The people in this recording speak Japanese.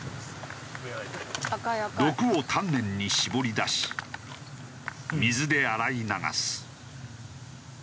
毒を丹念に絞り出し水で洗い流す。